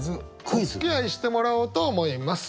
おつきあいしてもらおうと思います！